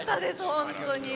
本当に。